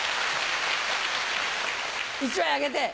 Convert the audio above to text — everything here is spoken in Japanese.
１枚あげて。